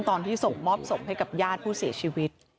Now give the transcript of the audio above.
ตอนที่ส่งมอบศพให้กับญาติผู้เสียชีวิต